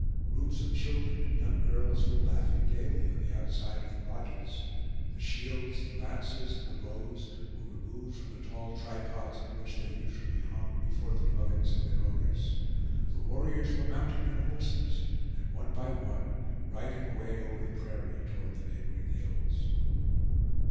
Groups of children and young girls were laughing gayly on the outside of the lodges. The shields, the lances, and the bows were removed from the tall tripods on which they usually hung before the dwellings of their owners. The warriors were mounting their horses, and one by one riding away over the prairie toward the neighboring hills.